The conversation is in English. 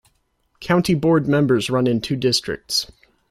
County Board members run in two districts.